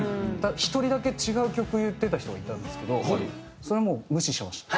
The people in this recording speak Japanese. １人だけ違う曲を言ってた人がいたんですけどそれはもう無視しました。